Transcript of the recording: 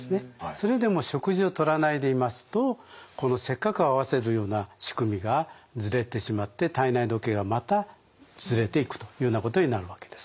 それでも食事をとらないでいますとこのせっかく合わせるような仕組みがズレてしまって体内時計がまたズレていくというなことになるわけです。